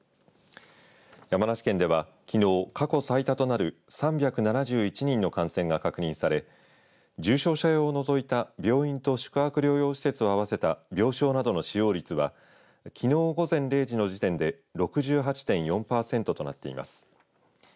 山梨県では、きのう過去最多となる３７１人の感染が確認され重症者用を除いた病院と宿泊療養施設を合わせた病床などの使用率はきのう午前０時の時点で６８．４パーセントとなっています。